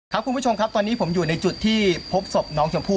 คุณผู้ชมครับตอนนี้ผมอยู่ในจุดที่พบศพน้องชมพู่